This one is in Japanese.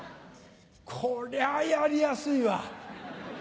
こりゃあやりやすいわ。